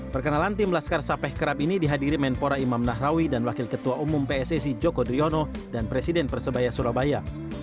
perkenalan tim laskar sapeh kerap ini dihadiri menpora imam nahrawi dan wakil ketua umum pssi joko driono dan presiden persebaya surabaya